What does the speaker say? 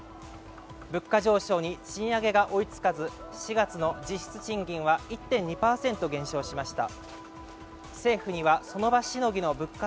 物価上昇に賃上げが追いつかず４月の実質賃金は１．２％減少しました。